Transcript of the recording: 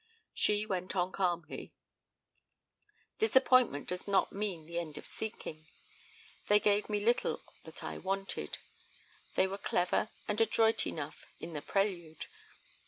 She went on calmly: "Disappointment does not mean the end of seeking. ... They gave me little that I wanted. They were clever and adroit enough in the prelude.